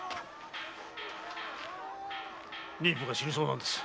妊婦が死にそうなんです。